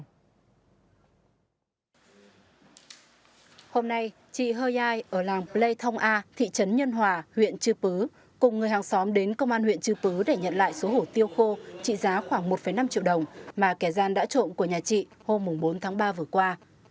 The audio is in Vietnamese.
hôm nay chị hơ giai ở làng plei thong a thị trấn nhân hòa huyện chư pứ cùng người hàng xóm đến công an huyện chư pứ để nhận lại số hổ tiêu khô trị giá khoảng một năm triệu đồng mà kẻ gian đã trộm của nhà chị hôm bốn tháng ba vừa qua